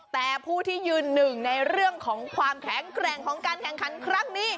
แต่ผู้ที่ยืนหนึ่งในเรื่องของความแข็งแกร่งของการแข่งขันครั้งนี้